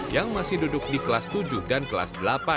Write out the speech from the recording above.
yang masih duduk di kelas tujuh dan kelas delapan